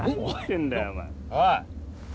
おい。